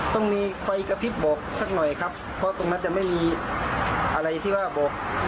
ต้องมีไฟกระพริบบอกสักหน่อยครับเพราะตรงนั้นจะไม่มีอะไรที่ว่าบอก